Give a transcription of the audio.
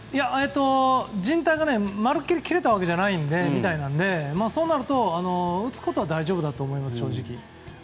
じん帯がまるっきり切れたわけではないみたいなのでそうなると、打つことは大丈夫だと思います、正直。